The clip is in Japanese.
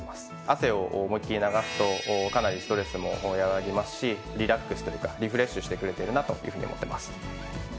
汗を思いっ切り流すとかなりストレスも和らぎますしリラックスというかリフレッシュしてくれてるなというふうに思ってます。